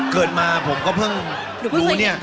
เกิดมาผมก็เพิ่งรู้เนี่ย